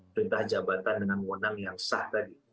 perintah jabatan dengan wonang yang sah tadi